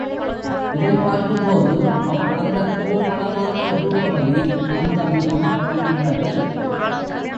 இதைப் பார்க்கும்போது, அவள், அந்தக் கோமளமான ரூபவதி அந்த முகம், கண்ணழகு.